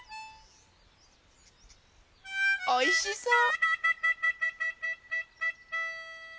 おいしそう！